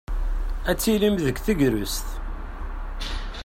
Ad tilim deg teɣsert.